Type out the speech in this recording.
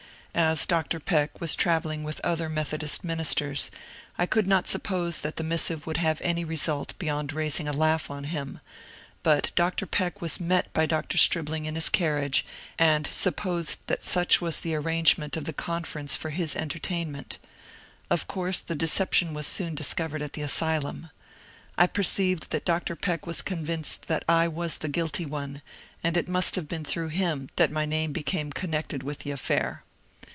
As Dr. Peck was travelling with other Methodist ministers, I could not suppose that the missive would have any result beyond raising a laugh on him ; but Dr. Peck was met by Dr. Stribling in his carriage, and supposed that such was the arrangement of the Conference for his entertainment. Of course the decep tion was soon discovered at the asylum. I perceived that Dr. Peck was convinced that I was the guilty one, and it must have been through him that my name became connected with the affair.